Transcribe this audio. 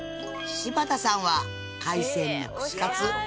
柴田さんは海鮮の串かつ。